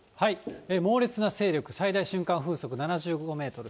猛烈な勢力、最大瞬間風速７５メートル。